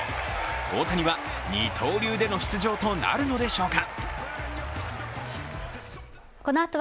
大谷は二刀流での出場となるのでしょうか。